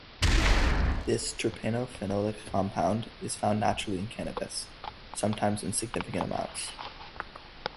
This terpeno-phenolic compound is found naturally in "Cannabis", sometimes in significant amounts.